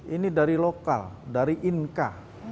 ini dari lokal dari inka